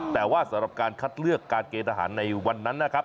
แต่ว่าสำหรับการคัดเลือกการเกณฑ์ทหารในวันนั้นนะครับ